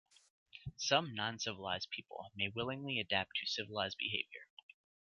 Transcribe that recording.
Some non-civilized people may willingly adapt to civilized behaviour.